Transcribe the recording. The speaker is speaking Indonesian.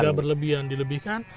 nggak berlebihan dilebihkan